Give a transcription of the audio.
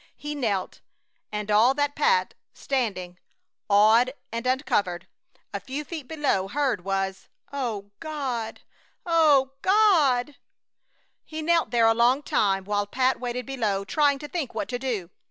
He knelt, and all that Pat, standing, awed and uncovered, a few feet below, heard, was: "O God! O God!" He knelt there a long time, while Pat waited below, trying to think what to do.